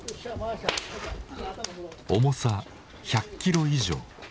重さ１００キロ以上。